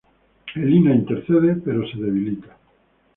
Elina intercede pero se debilita.